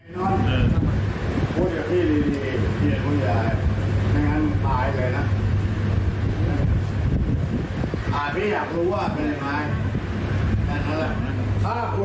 ยังไม่รู้จักไม่รู้ว่าเป็นใคร